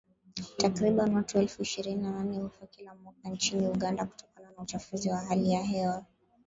Takribani watu elfu ishirini na nane hufa kila mwaka nchini Uganda kutokana na uchafuzi wa hali ya hewa